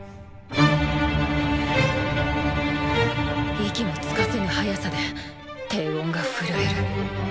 息もつかせぬ速さで低音が震える。